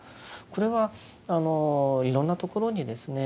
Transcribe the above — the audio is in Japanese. これはいろんなところにですね